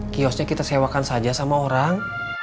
kiosnya kita sewakan saja sama orang